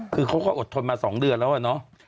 คือเขาก็อดทนมา๒เดือนแล้วอะเนาะ